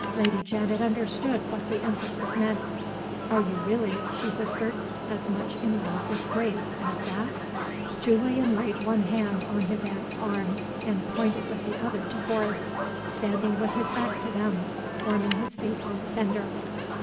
Lady Janet understood what the emphasis meant. "Are you really," she whispered, "as much in love with Grace as that?" Julian laid one hand on his aunt's arm, and pointed with the other to Horace standing with his back to them, warming his feet on the fender.